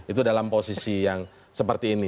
itu dalam posisi yang seperti ini